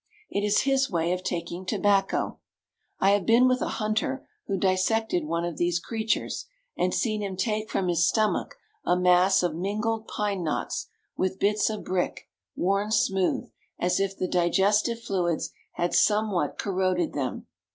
It is his way of taking tobacco. I have been with a hunter who dissected one of these creatures, and seen him take from his stomach a mass of mingled pine knots, with bits of brick, worn smooth, as if the digestive fluids had somewhat corroded them.